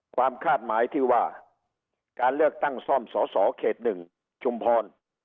ความคาดหมายที่ว่าการเลือกตั้งซ่อมสอสอเขต๑ชุมพร